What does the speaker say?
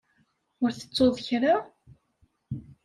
Ur tettuḍ kra?